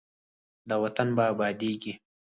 دا وطن به ابادیږي.